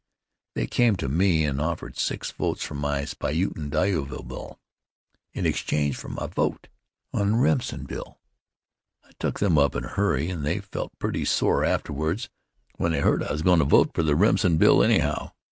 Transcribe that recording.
They came to me and offered six votes for my Spuyten Duyvil Bill in exchange for my vote on the Remsen Bill. I took them up in a hurry, and they felt pretty sore afterwards when they heard I was goin' to vote for the Remsen Bill anyhow.